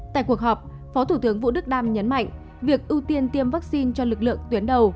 tại cuộc họp phó thủ tướng vũ đức đam nhấn mạnh việc ưu tiên tiêm vaccine cho lực lượng tuyến đầu